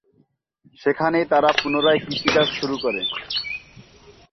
সেখানে তারা পুনরায় কৃষিকাজ শুরু করে।